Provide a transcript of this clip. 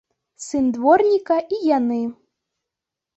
Сын дворніка і яны.